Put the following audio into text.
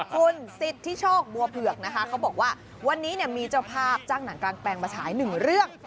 คุณสิทธิโชคบัวเผือกนะคะเขาบอกว่าวันนี้มีเจ้าภาพจ้างหนังกลางแปลงมาฉายหนึ่งเรื่อง